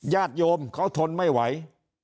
ญาติโยมเขาทนไม่ไหว